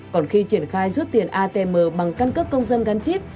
còn khi triển khai rút tiền atm bằng căn cước công dân gắn chip